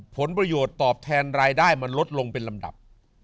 ผลประโยชน์ตอบแทนรายได้มันลดลงเป็นลำดับ